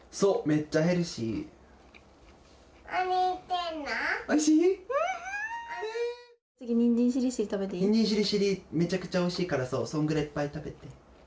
めちゃくちゃおいしいからそうそんぐらいいっぱい食べて。